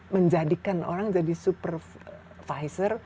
menjadikan orang jadi supervisor